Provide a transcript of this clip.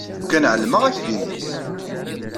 Lukan ɛelmeɣ, ad k-d-iniɣ.